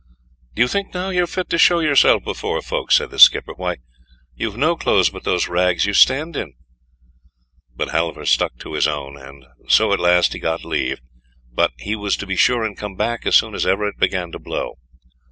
"Do you think now you're fit to show yourself before folk," said the skipper, "why, you've no clothes but those rags you stand in?" But Halvor stuck to his own, and so at last he got leave, but he was to be sure and come back as soon as ever it began to blow.